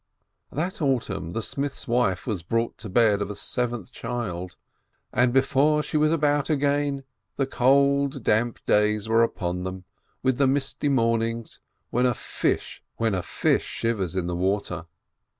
That autumn the smith's wife was brought to bed of a seventh child, and before she was about again, the cold, damp days were upon them, with the misty mornings, when a fish shivers in the water.